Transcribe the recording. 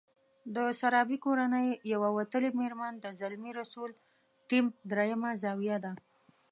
د سرابي کورنۍ يوه وتلې مېرمن د زلمي رسول ټیم درېيمه زاویه ده.